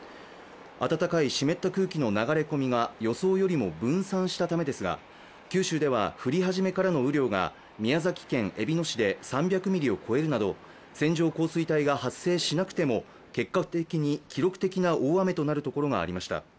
温かい湿った空気の流れ込みが、予想よりも分散したためですが、九州では降り始めの雨量が宮崎県えびの市で３００ミリを超えるなど線状降水帯が発生しなくても結果的に記録的な大雨となるところがありました。